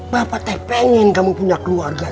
bapak teh pengen kamu punya keluarga